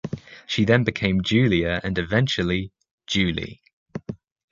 She then became "Julia" and eventually "Julie".